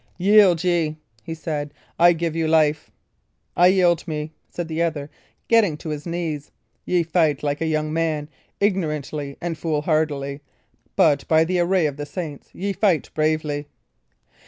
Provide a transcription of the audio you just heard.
"Yield ye!" he said. "I give you life." "I yield me," said the other, getting to his knees. "Ye fight, like a young man, ignorantly and foolhardily; but, by the array of the saints, ye fight bravely!"